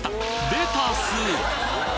レタス！